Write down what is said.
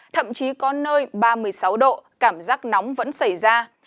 thậm chí có nơi ba mươi sáu độ cảm giác nóng vẫn xảy ra